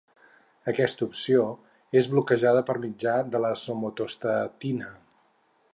Aquesta acció és bloquejada per mitjà de la somatostatina.